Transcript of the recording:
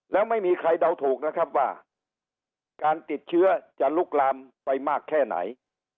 แล้วไม่มีใครเดาถูกนะครับว่าการติดเชื้อจะลุกลามไปมากแค่ไหน